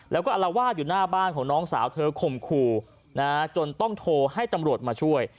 แล้วก็อลวาดอยู่หน้าบ้านของน้องสาวเธอข่มขู่จนต้องโทรให้ตำรวจมาช่วย